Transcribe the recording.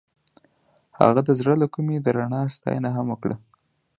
هغې د زړه له کومې د رڼا ستاینه هم وکړه.